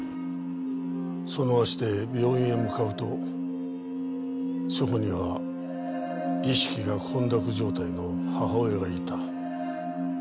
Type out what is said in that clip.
その足で病院へ向かうとそこには意識が混濁状態の母親がいた。